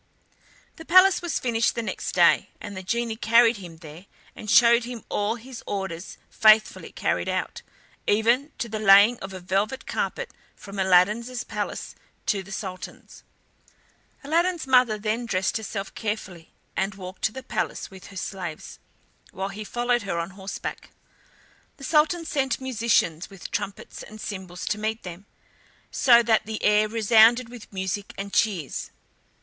The palace was finished the next day, and the genie carried him there and showed him all his orders faithfully carried out, even to the laying of a velvet carpet from Aladdin's palace to the Sultan's. Aladdin's mother then dressed herself carefully, and walked to the palace with her slaves, while he followed her on horseback. The Sultan sent musicians with trumpets and cymbals to meet them, so that the air resounded with music and cheers.